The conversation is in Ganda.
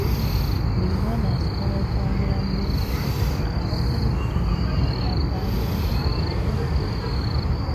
Buli mwana asobola okuwangula mu by'okusoma awatali kutunuulira byafaayo byabwe.